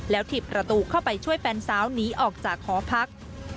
ถีบประตูเข้าไปช่วยแฟนสาวหนีออกจากหอพัก